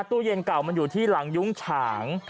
ตู้เย็นเก่ามันอยู่ที่หลังยุ้งฉาง